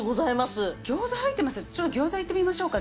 ギョーザ入ってますよ、ちょっとギョーザいってみましょうか。